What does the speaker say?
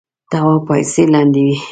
تواب پايڅې لندې وې.